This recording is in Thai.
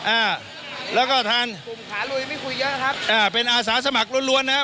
อ่าแล้วก็ทานไม่คุยเยอะนะครับอ่าเป็นอาสาสมัครล้วนล้วนนะฮะ